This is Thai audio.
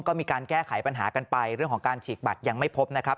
ก็มีการแก้ไขปัญหากันไปเรื่องของการฉีกบัตรยังไม่พบนะครับ